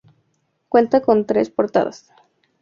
Cuenta con tres portadas.